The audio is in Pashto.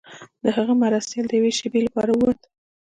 د هغه مرستیال د یوې شیبې لپاره ووت.